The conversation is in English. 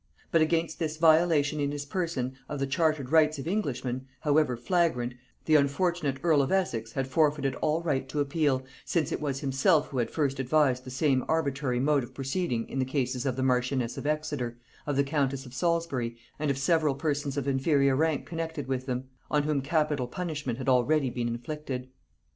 But against this violation in his person of the chartered rights of Englishmen, however flagrant, the unfortunate earl of Essex had forfeited all right to appeal, since it was himself who had first advised the same arbitrary mode of proceeding in the cases of the marchioness of Exeter, of the countess of Salisbury, and of several persons of inferior rank connected with them; on whom capital punishment had already been inflicted.